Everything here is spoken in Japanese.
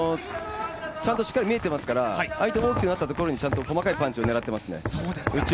ちゃんとしっかり見えていますから、相手が大きくなったところにパンチ入れてますね。